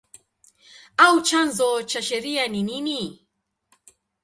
au chanzo cha sheria ni nini?